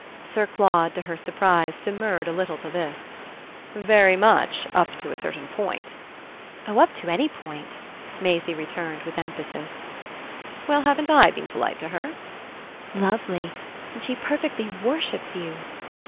Sir Claude, to her surprise, demurred a little to this. "Very much up to a certain point." "Oh up to any point!" Maisie returned with emphasis. "Well, haven't I been polite to her?" "Lovely and she perfectly worships you."